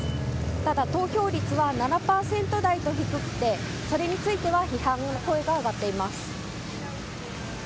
ただ、投票率は７％台と低くてそれについては批判の声が上がっています。